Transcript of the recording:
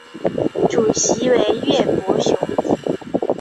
主席为叶柏雄。